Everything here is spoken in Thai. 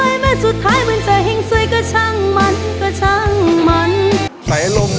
โอ้ยแม่สุดท้ายมันจะหิ่งสวยก็ช่างมันก็ช่างมัน